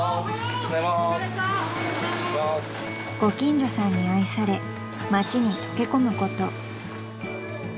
［ご近所さんに愛され町に溶け込むこと］